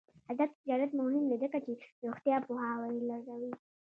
آزاد تجارت مهم دی ځکه چې روغتیايي پوهاوی لوړوي.